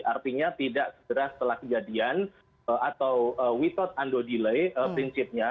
artinya tidak segera setelah kejadian atau witot undo delay prinsipnya